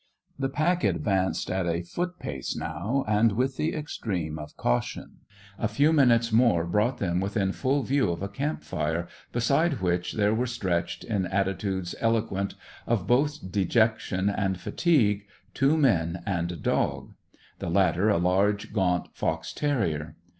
The pack advanced at a foot pace now, and with the extreme of caution. A few minutes more brought them within full view of a camp fire, beside which there were stretched, in attitudes eloquent of both dejection and fatigue, two men and a dog; the latter a large, gaunt fox terrier.